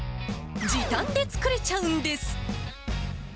時短で作れちゃうんです。